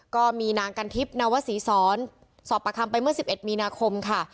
ก็มีนางกันทิพย์นวศรีสอนสอบประคำไปเมื่อ๑๑มีนาคมค่ะ